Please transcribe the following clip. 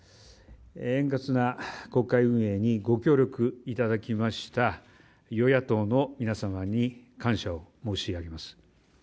円滑な国会運営にご協力いただきました与野党の皆様に感謝を申し上げます。